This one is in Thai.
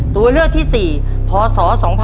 ตัวเลือกที่สี่พศ๒๕๔๘